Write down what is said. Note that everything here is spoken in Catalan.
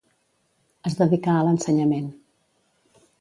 Es dedicà a l'ensenyament.